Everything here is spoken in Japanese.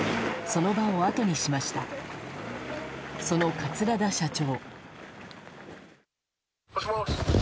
その、桂田社長。